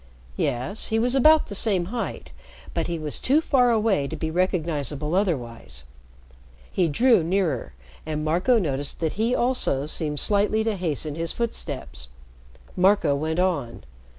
Yes, he was about the same height, but he was too far away to be recognizable otherwise. He drew nearer, and Marco noticed that he also seemed slightly to hasten his footsteps. Marco went on.